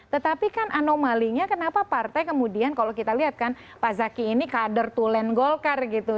tetapi kan anomalinya kenapa partai kemudian kalau kita lihat kan pak zaki ini kader tulen golkar gitu